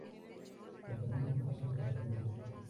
Se permite tomar fotografías.